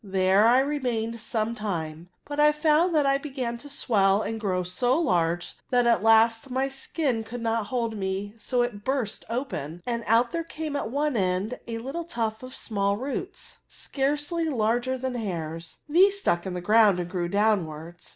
There I remamed I NTEEJECTIONS. 107 some time : but I found that I began to swell and grow so large that at last my skin could not hold me, so it burst open, and out there came at one end a little tuft of small roots^ scarcely larger than hairs ; these stuck in the ground and grew downwards.